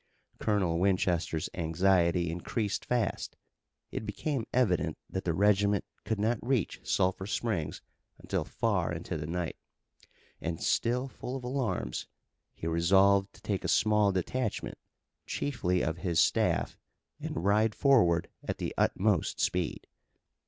Colonel Winchester's anxiety increased fast. It became evident that the regiment could not reach Sulphur Springs until far into the night, and, still full of alarms, he resolved to take a small detachment, chiefly of his staff, and ride forward at the utmost speed.